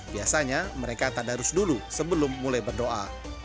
biasanya mereka tak darus dulu sebelum mulai berdoa